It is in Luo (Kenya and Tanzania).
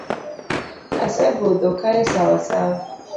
Asebudho kae sawa sawa.